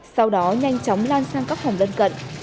sau đó nhanh chóng lan sang các phòng gần gần